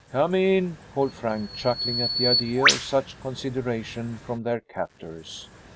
"Come in," called Frank, chuckling at the idea of such consideration from their captors.